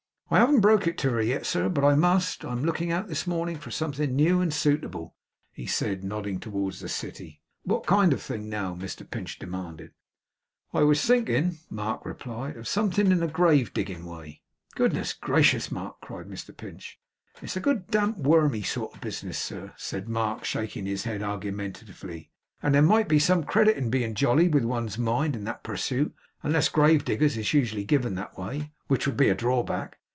'I haven't broke it to her yet, sir, but I must. I'm looking out this morning for something new and suitable,' he said, nodding towards the city. 'What kind of thing now?' Mr Pinch demanded. 'I was thinking,' Mark replied, 'of something in the grave digging way.' 'Good gracious, Mark?' cried Mr Pinch. 'It's a good damp, wormy sort of business, sir,' said Mark, shaking his head argumentatively, 'and there might be some credit in being jolly, with one's mind in that pursuit, unless grave diggers is usually given that way; which would be a drawback.